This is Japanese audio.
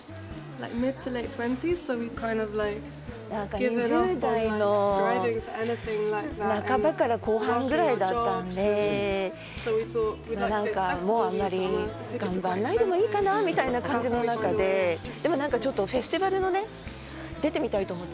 ２０代の半ばから後半ぐらいだったんで、なんかもう、あんまり頑張んないでもいいかなぁ、みたいな感じの中で、ちょっとフェスティバルに出てみたいと思って。